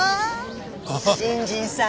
新人さん？